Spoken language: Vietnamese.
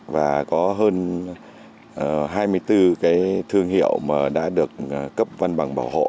và có hơn hai mươi bốn cái thương hiệu mà đã được cấp văn bằng bảo hộ